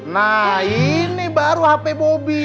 nah ini baru hp bobi